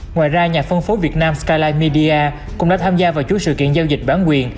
ngoài ra nhà phân phối việt nam skyline media cũng đã tham gia vào chút sự kiện giao dịch bản quyền